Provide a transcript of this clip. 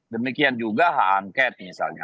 demikian juga hak angket misalnya